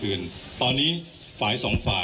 คุณผู้ชมไปฟังผู้ว่ารัฐกาลจังหวัดเชียงรายแถลงตอนนี้ค่ะ